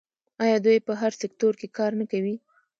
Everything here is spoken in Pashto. آیا دوی په هر سکتور کې کار نه کوي؟